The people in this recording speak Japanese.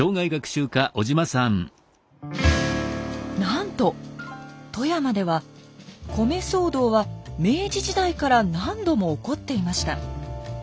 なんと富山では米騒動は明治時代から何度も起こっていました。